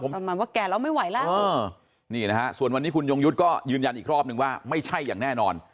ประมาณว่าแก่แล้วไม่ไหวแล้วนี่นะฮะส่วนวันนี้คุณยงยุทธ์ก็ยืนยันอีกรอบนึงว่าไม่ใช่อย่างแน่นอน